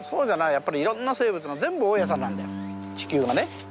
やっぱりいろんな生物が全部大家さんなんだよ地球がね。